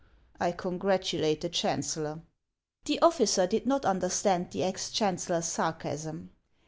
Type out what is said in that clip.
I congratulate the chancellor." The officer did not understand the ex chancellor's sarcasm.